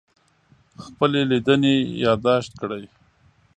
خپلې لیدنې یادداشت کړئ.